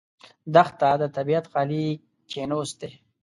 دښته د طبیعت خالي کینوس دی.